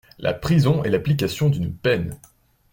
La prison est l’application d’une peine.